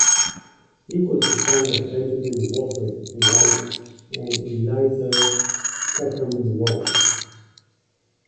He was the son of Benjamin Wofford White and Eliza (Chatham) White.